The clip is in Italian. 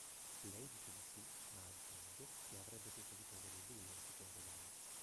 Lei dice di sì, ma aggiunge che avrebbe preferito avere lui anziché un regalo.